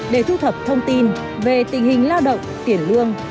để thu thập thông tin về tình hình lao động tiền lương